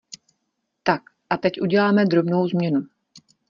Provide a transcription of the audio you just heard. Tak, a teď uděláme drobnou změnu.